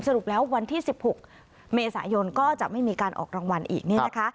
สรุปแล้ววันที่๑๖เมษายนก็จะไม่มีการออกรางวัลอีกเนี่ยนะคะ